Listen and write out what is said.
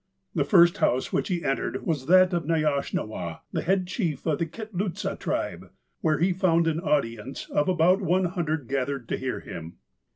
The first house which he entered was that of Neyahsh nawah, the head chief of the Kitlootsah tribe, where he found an audience of about one hundred gathered to hear him.